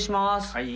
はい。